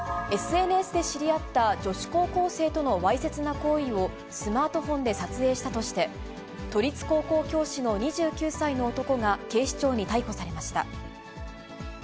ＳＮＳで知り合った女子高校生とのわいせつな行為をスマートフォンで撮影したとして、都立高校教師の２９歳の男が警視庁に逮捕されました。